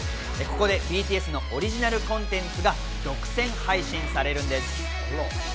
ここでＢＴＳのオリジナルコンテンツが独占配信されるんです。